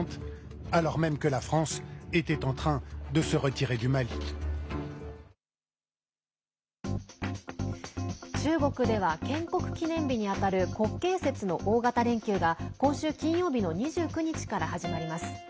そのような状況の中でフランスは中国では建国記念日にあたる国慶節の大型連休が今週金曜日の２９日から始まります。